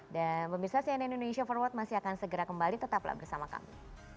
dan pemirsa cnn indonesia forward masih akan segera kembali tetaplah bersama kami